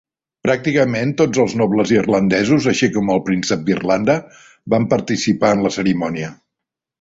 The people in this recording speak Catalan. Pràcticament tots els nobles irlandesos, així com el príncep d'Irlanda, van participar en la cerimònia.